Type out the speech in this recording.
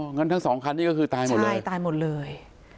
งั้นทั้งสองคันนี่ก็คือตายหมดเลยใช่ตายหมดเลย